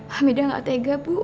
hamidah gak tega bu